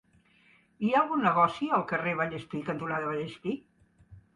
Hi ha algun negoci al carrer Vallespir cantonada Vallespir?